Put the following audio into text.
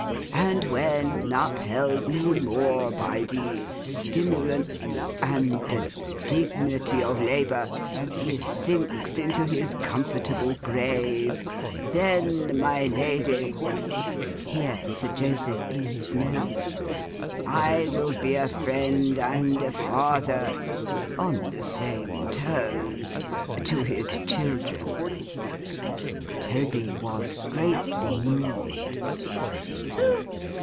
And when, upheld no more by these stimulants, and the Dignity of Labour, he sinks into his comfortable grave, then, my lady'—here Sir Joseph blew his nose—'I will be a Friend and a Father—on the same terms—to his children.' Toby was greatly moved.